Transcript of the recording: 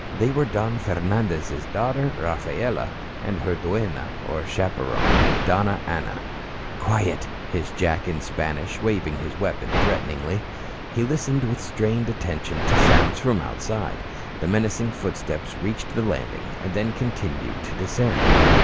They were Don Fernandez' daughter, Rafaela, and her duenna or chaperone, Donna Ana. "Quiet," hissed Jack in Spanish, waving his weapon threateningly. He listened with strained attention to sounds from outside. The menacing footsteps reached the landing, and then continued to descend.